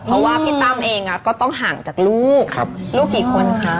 เพราะว่าพี่ตั้มเองก็ต้องห่างจากลูกลูกกี่คนคะ